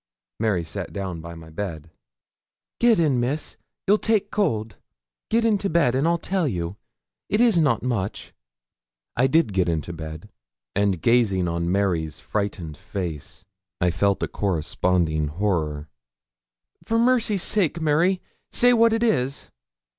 Mary sat down by my bed. 'Get in, Miss; you'll take cold. Get into bed, and I'll tell you. It is not much.' I did get into bed, and gazing on Mary's frightened face, I felt a corresponding horror. 'For mercy's sake, Mary, say what it is?'